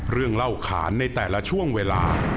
เรื่องเล่าขานในแต่ละช่วงเวลา